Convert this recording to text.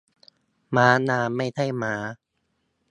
ม้าน้ำ ไม่ใช่ม้า